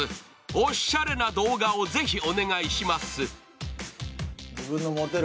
おしゃれな動画をぜひ、お願いします。